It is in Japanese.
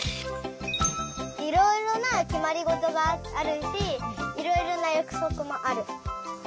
いろいろなきまりごとがあるしいろいろなやくそくもある。